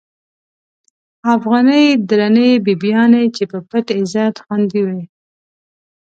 افغانی درنی بیبیانی، چی په پت عزت خوندی وی